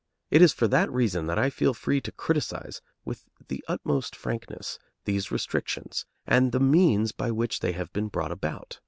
It is for that reason that I feel free to criticise with the utmost frankness these restrictions, and the means by which they have been brought about.